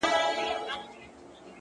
ستړى په گډا سومه ‘چي’ستا سومه’